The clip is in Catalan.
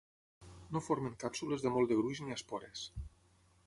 No formen càpsules de molt de gruix ni espores.